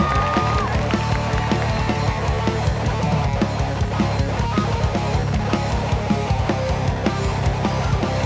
กีต้าร็อกเกอร์